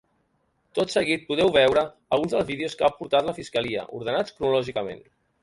Tot seguit, podeu veure alguns dels vídeos que ha aportat la fiscalia, ordenats cronològicament.